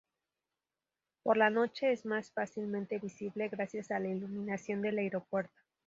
Por la noche es más fácilmente visible gracias a la iluminación del aeropuerto.